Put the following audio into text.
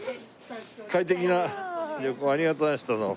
快適な旅行ありがとうございましたどうも。